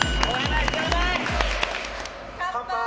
乾杯！